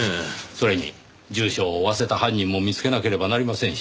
それに重傷を負わせた犯人も見つけなければなりませんし。